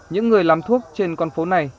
những người làm thuốc trên con phố này